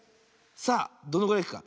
さあどのぐらいいくか。